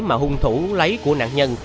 mà hung thủ lấy của nạn nhân